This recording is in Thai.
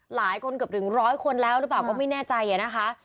หลายคนเกือบถึงร้อยคนแล้วหรือเปล่าก็ไม่แน่ใจนะคะ